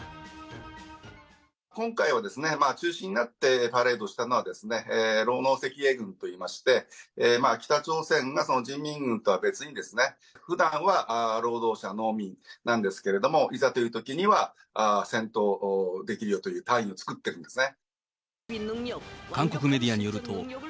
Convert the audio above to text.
今回は中心になってパレードをしたのは、労農赤衛軍といいまして、北朝鮮が人民軍とは別に、ふだんは労働者、農民なんですけれども、いざというときには戦闘できるよという隊を作ってるんですよね。